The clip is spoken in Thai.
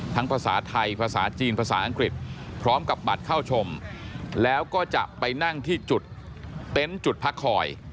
ภาษาไทยภาษาจีนภาษาอังกฤษพร้อมกับบัตรเข้าชมแล้วก็จะไปนั่งที่จุดเต็นต์จุดพักคอย